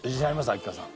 秋川さん。